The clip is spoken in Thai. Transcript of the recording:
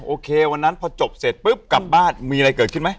โอเควันนั้นพอจบเสร็จปุ๊บกลับบ้านมีอะไรเกิดขึ้นไหม